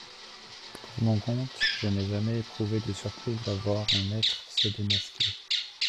Pour mon compte, je n'ai jamais éprouvé de surprise à voir un être se démasquer.